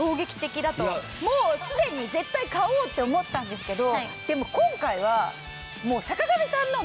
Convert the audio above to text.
もうすでに絶対買おうって思ったんですけど。